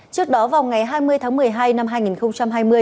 trước đó vào ngày hai mươi tháng một mươi hai năm hai nghìn hai mươi